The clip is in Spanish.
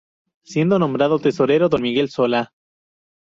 Siendo nombrado Tesorero Don Miguel Sola.